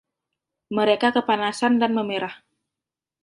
Mereka kepanasan dan memerah.